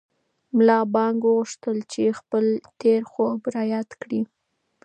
ملا بانګ وغوښتل چې خپل تېر خوب را یاد کړي.